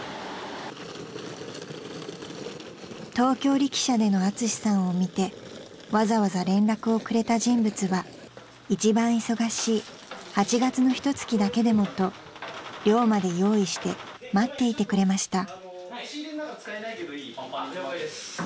［東京力車でのアツシさんを見てわざわざ連絡をくれた人物は一番忙しい８月のひと月だけでもと寮まで用意して待っていてくれました］